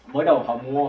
mới đầu họ mua